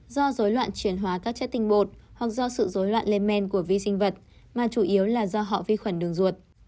do dối loạn chuyển hóa các chất tinh bột hoặc do sự dối loạn lên men của vi sinh vật mà chủ yếu là do họ vi khuẩn đường ruột